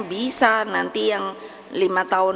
bisa nanti yang lima tahun